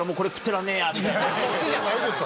そっちじゃないでしょ。